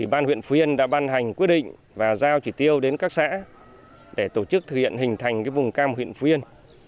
ban huyện phú yên đã ban hành quyết định và giao chỉ tiêu đến các xã để tổ chức thực hiện hình thành vùng cam huyện phú yên